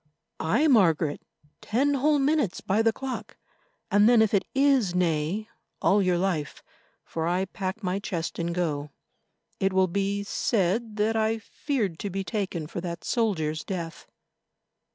"Aye, Margaret, ten whole minutes by the clock, and then if it is nay, all your life, for I pack my chest and go. It will be said that I feared to be taken for that soldier's death."